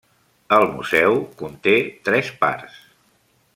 El museu conté tres parts.